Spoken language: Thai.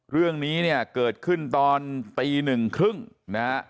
เรื่องนี้เนี่ยเกิดขึ้นตอนตีหนึ่งครึ่งนะฮะ